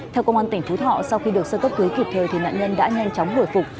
theo công an tỉnh phú thọ sau khi được sơ cấp cứu kịp thời thì nạn nhân đã nhanh chóng hồi phục